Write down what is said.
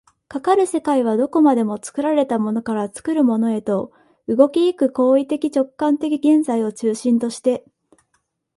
かかる世界はどこまでも作られたものから作るものへと、動き行く行為的直観的現在を中心として、